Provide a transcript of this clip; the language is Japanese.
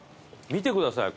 見てください